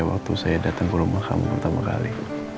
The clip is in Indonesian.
waktu saya datang ke rumah kami pertama kali